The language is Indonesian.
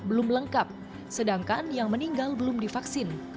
belum lengkap sedangkan yang meninggal belum divaksin